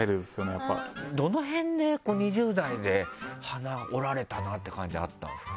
どの辺で２０代で鼻折られたなって感じあったんですか？